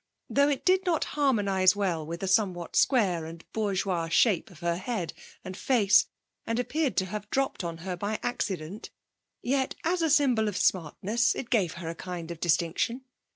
Though it did not harmonise well with the somewhat square and bourgeois shape of her head and face, and appeared to have dropped on her by accident, yet as a symbol of smartness it gave her a kind of distinction.